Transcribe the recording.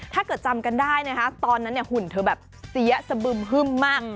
จำกันได้นะคะตอนนั้นหุ่นเธอแบบเสียสะบึมฮึ่มมาก